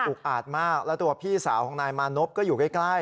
อาจมากแล้วตัวพี่สาวของนายมานพก็อยู่ใกล้